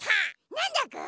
なんだぐ？